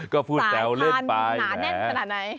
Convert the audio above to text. ก็พูดแสวเล่นไปสายทานหนาแน่นขนาดไหน